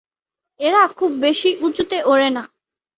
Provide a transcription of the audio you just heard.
এরা খুব বেশি উঁচুতে ওড়ে না।